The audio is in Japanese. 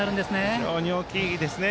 非常に大きいですね。